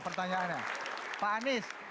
pertanyaannya pak anies